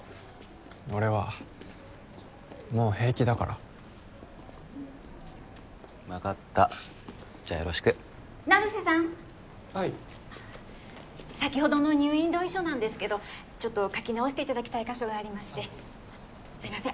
俺はもう平気だから分かったじゃあよろしく・成瀬さんはい先ほどの入院同意書なんですけどちょっと書き直していただきたい箇所がありましてすいません